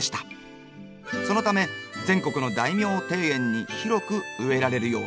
そのため全国の大名庭園にひろく植えられるようになりました。